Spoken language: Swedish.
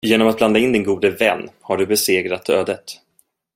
Genom att blanda in din gode vän, har du besegrat ödet.